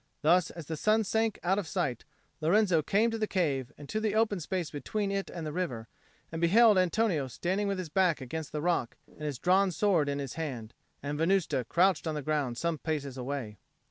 Thus, as the sun sank out of sight, Lorenzo came to the cave and to the open space between it and the river, and beheld Antonio standing with his back against the rock and his drawn sword in his hand, and Venusta crouched on the ground some paces away.